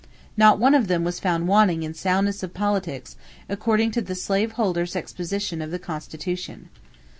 Not one of them was found wanting in soundness of politics, according to the slaveholder's exposition of the Constitution."